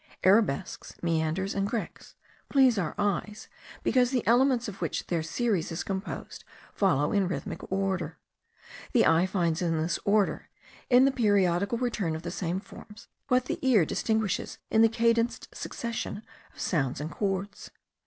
Arabesques, meanders, and grecques, please our eyes, because the elements of which their series is composed, follow in rhythmic order. The eye finds in this order, in the periodical return of the same forms, what the ear distinguishes in the cadenced succession of sounds and concords.